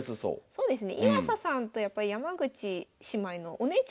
そうですね。